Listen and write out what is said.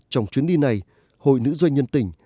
trong chuyến đi này hội nữ doanh nhân tỉnh